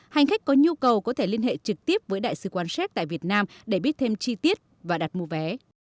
hành khách có nhu cầu có thể liên hệ trực tiếp với đại sứ quan xéc tại việt nam để biết thêm chi tiết và đặt mua vé